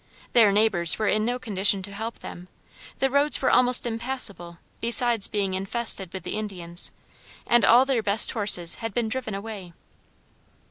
Their neighbors were in no condition to help them; the roads were almost impassable besides being infested with the Indians, and all their best horses had been driven away.